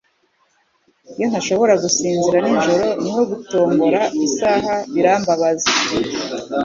Iyo ntashobora gusinzira nijoro niho gutombora isaha birambabaza.